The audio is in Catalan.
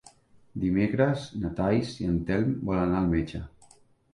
Dimecres na Thaís i en Telm volen anar al metge.